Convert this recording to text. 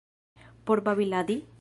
Por babiladi?